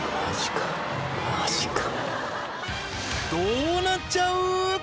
どうなっちゃう？